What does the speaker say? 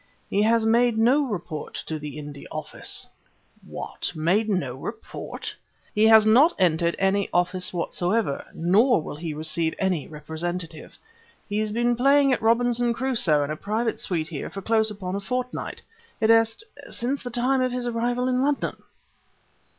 "He has made no report to the India Office." "What! made no report?" "He has not entered any office whatever, nor will he receive any representative. He's been playing at Robinson Crusoe in a private suite here for close upon a fortnight id est since the time of his arrival in London!"